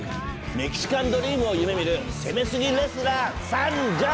メキシカンドリームを夢みる攻めすぎレスラー参上！